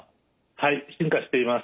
はい進化しています。